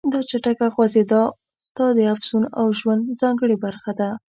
دا چټکه خوځېدا ستا د افسون او ژوند ځانګړې برخه ده.